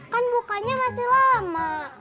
kan bukanya masih lama